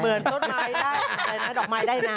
เหมือนต้นไม้ได้ดอกไม้ได้น้ำ